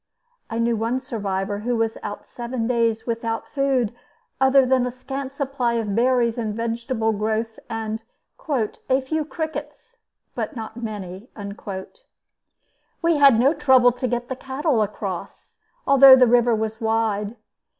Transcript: I knew one survivor who was out seven days without food other than a scant supply of berries and vegetable growth and "a few crickets, but not many." We had no trouble to get the cattle across, although the river was wide.